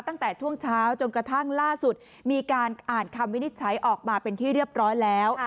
ตั้งแต่ช่วงเช้าจนกระทั่งล่าสุดมีการอ่านคำวินิจฉัยออกมาเป็นที่เรียบร้อยแล้ว